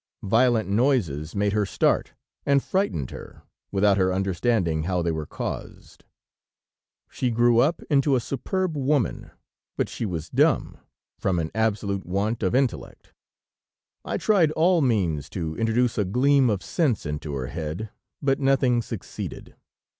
Violent noises made her start and frightened her, without her understanding how they were caused. "She grew up into a superb woman, but she was dumb, from an absolute want of intellect. I tried all means to introduce a gleam of sense into her head, but nothing succeeded.